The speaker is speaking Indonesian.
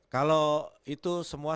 kalau itu semua